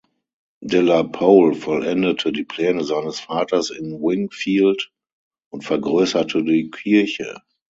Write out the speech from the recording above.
De la Pole vollendete die Pläne seines Vaters in Wingfield und vergrößerte die Kirche.